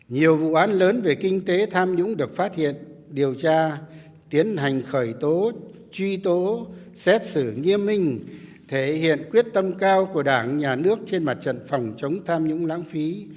nhiều vụ án lớn về kinh tế tham nhũng được phát hiện điều tra tiến hành khởi tố truy tố xét xử nghiêm minh thể hiện quyết tâm cao của đảng nhà nước trên mặt trận phòng chống tham nhũng lãng phí